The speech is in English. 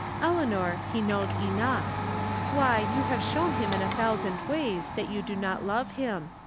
Eleanor, he knows enough. Why, you have shown him in a thousand ways that you do not love him.